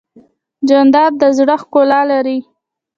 جانداد د زړه ښکلا لري.